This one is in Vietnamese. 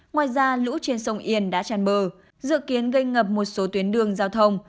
ngoài ra lũ trên sông yên đã tràn bờ dự kiến gây ngập một số tuyến đường giao thông